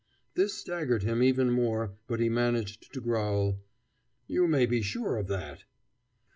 This staggered him even more, but he managed to growl: "You may be sure of that."